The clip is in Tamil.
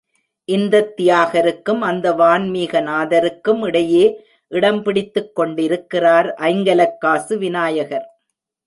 இந்தத் தியாகருக்கும், அந்த வன்மீகநாதருக்கும் இடையே இடம் பிடித்துக் கொண்டிருக்கிறார் ஐங்கலக் காசு விநாயகர்.